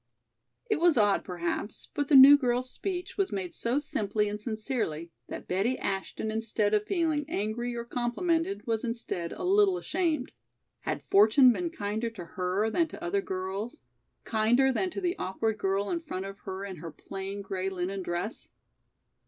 It was odd, perhaps, but the new girl's speech was made so simply and sincerely that Betty Ashton instead of feeling angry or complimented was instead a little ashamed. Had fortune been kinder to her than to other girls, kinder than to the awkward girl in front of her in her plain gray linen dress?